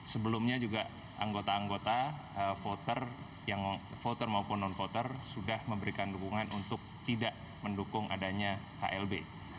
sebelumnya juga anggota anggota voter maupun non voter sudah memberikan dukungan untuk tidak mendukung adanya klb